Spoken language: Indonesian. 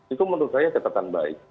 itu menurut saya catatan baik